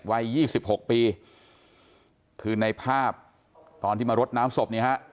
วัย๒๖ปีคือในภาพตอนที่มารดน้ำศพเนี่ยฮะ